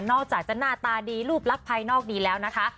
อกจากจะหน้าตาดีรูปลักษณ์ภายนอกดีแล้วนะคะ